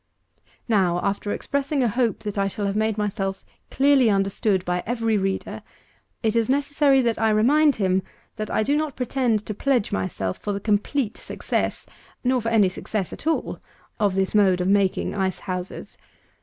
253. Now, after expressing a hope that I shall have made myself clearly understood by every reader, it is necessary that I remind him, that I do not pretend to pledge myself for the complete success, nor for any success at all, of this mode of making ice houses.